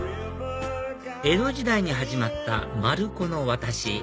江戸時代に始まった丸子の渡し